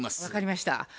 分かりました。